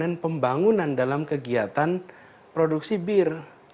kemudian pembangunan dalam kegiatan produksi bir